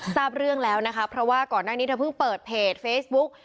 ทราบเรื่องแล้วนะคะเพราะว่าก่อนหน้านี้เธอเพิ่งเปิดเพจเฟซบุ๊ก